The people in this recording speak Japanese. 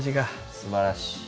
すばらしい。